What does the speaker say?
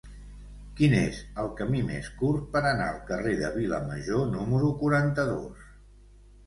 Quin és el camí més curt per anar al carrer de Vilamajor número quaranta-dos?